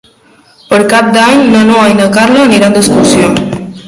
Per Cap d'Any na Noa i na Carla aniran d'excursió.